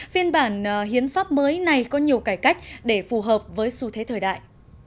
phiên bản hiến pháp mới này có nhiều cải cách để phù hợp với xu thế thời đại